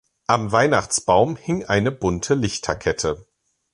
Am Weihnachtsbaum hing eine bunte Lichterkette.